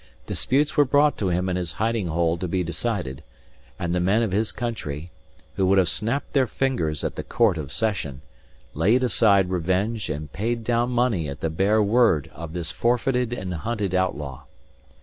Disputes were brought to him in his hiding hole to be decided; and the men of his country, who would have snapped their fingers at the Court of Session, laid aside revenge and paid down money at the bare word of this forfeited and hunted outlaw.